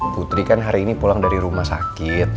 putri kan hari ini pulang dari rumah sakit